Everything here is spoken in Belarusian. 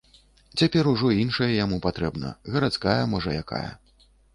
Цяпер ужо іншая яму патрэбна, гарадская, можа, якая.